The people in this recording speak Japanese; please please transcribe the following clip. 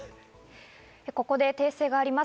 ここで訂正があります。